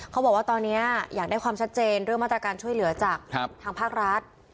เขาบอกว่าตอนนี้อยากได้ความชัดเจนเรื่องมาตรการช่วยเหลือจากทางภาครัฐ